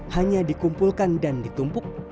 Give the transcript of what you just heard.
hanya dikumpulkan dan ditumpuk